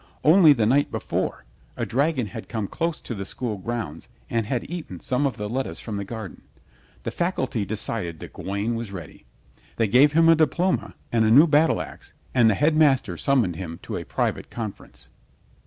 Only the night before a dragon had come close to the school grounds and had eaten some of the lettuce from the garden. The faculty decided that Gawaine was ready. They gave him a diploma and a new battle ax and the Headmaster summoned him to a private conference.